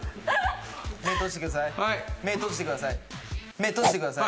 目閉じてください。